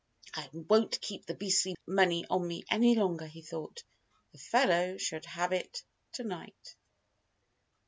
"I won't keep the beastly money on me any longer," he thought. "The fellow shall have it to night."